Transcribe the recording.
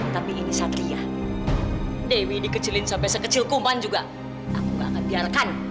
tapi ini satria dewi dikecilin sampai sekecil kuman juga aku nggak akan biarkan